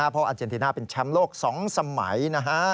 เพราะอาเจนติน่าเป็นแชมป์โลก๒สมัยนะฮะ